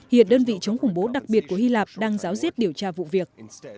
hiện đơn vị chống khủng bố đặc biệt của hy lạp đang giáo diết điều tra vụ việc